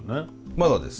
まだです。